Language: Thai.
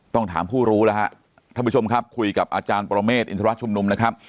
ถามผู้รู้แล้วฮะท่านผู้ชมครับคุยกับอาจารย์ปรเมฆอินทรชุมนุมนะครับ